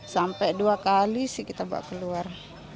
sampai dua kali sih kita bawa keluar